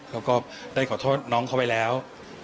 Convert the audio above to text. แล้วก็ได้ขอโทษน้องเขาไปแล้ว